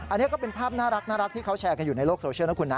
อันนี้ก็เป็นภาพน่ารักที่เขาแชร์กันอยู่ในโลกโซเชียลนะคุณนะ